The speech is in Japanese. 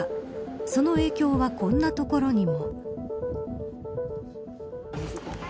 その影響はこんな所にも。